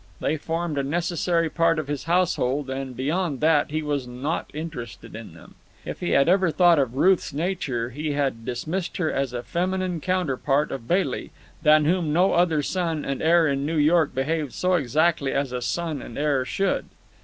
They formed a necessary part of his household, and beyond that he was not interested in them. If he had ever thought about Ruth's nature, he had dismissed her as a feminine counterpart of Bailey, than whom no other son and heir in New York behaved so exactly as a son and heir should.